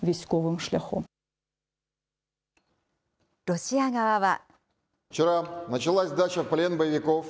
ロシア側は。